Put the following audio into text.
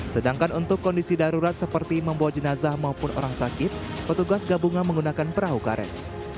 sedangkan untuk kondisi darurat seperti membawa jenazah maupun orang sakit petugas gabungan menggunakan perahu karet